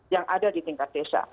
yang ada di tingkat desa